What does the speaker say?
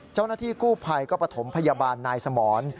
เจ้าหน้าที่กู้ภัยก็ประถมพยาบาลนายสมร